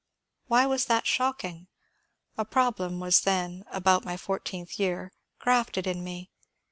Why was that shocking? A problem was then (about my fourteenth year) grafted in me.